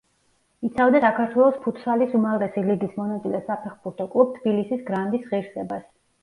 იცავდა საქართველოს ფუტსალის უმაღლესი ლიგის მონაწილე საფეხბურთო კლუბ თბილისის „გრანდის“ ღირსებას.